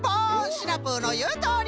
シナプーのいうとおり！